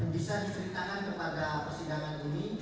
bisa diceritakan kepada persidangan ini